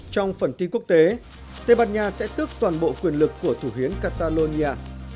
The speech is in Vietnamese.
trong phần tin quốc tế tây ban nha sẽ tước toàn bộ quyền lực của thủ hiến castalolyan